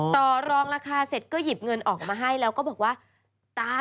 ต่อรองราคาเสร็จก็หยิบเงินออกมาให้แล้วก็บอกว่าตา